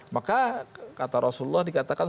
maka kata rasulullah dikatakan